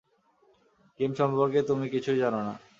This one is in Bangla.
গেম সম্পর্কে তুমি কিছুই জানো না?